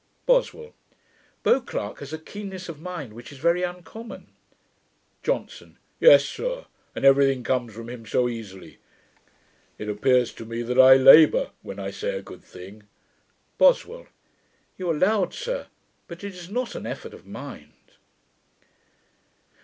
BOSWELL. 'Beauclerk has a keenness of mind which is very uncommon.' JOHNSON. 'Yes, sir; and every thing comes from him so easily. It appears to me that I labour, when I say a good thing.' BOSWELL. 'You are loud, sir; but it is not an effort of mind.'